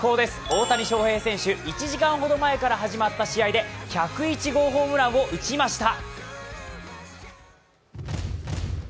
大谷翔平選手、１時間ほど前から始まった試合で１０１号ホームランを打ちました。